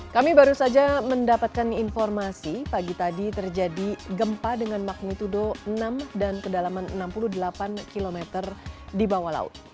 kami baru saja mendapatkan informasi pagi tadi terjadi gempa dengan magnitudo enam dan kedalaman enam puluh delapan km di bawah laut